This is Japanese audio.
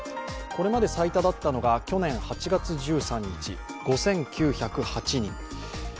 これまで最多だったのが去年８月１３日、５９０８人。